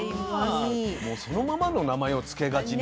もうそのままの名前を付けがちね。